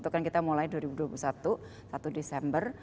kan kita mulai dua ribu dua puluh satu satu desember